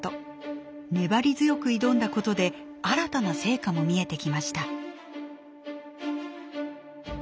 粘り強く挑んだことで新たな成果も見えてきました。